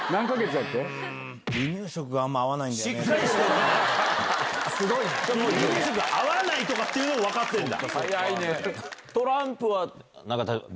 離乳食合わないとかっていうのも分かってるんだ。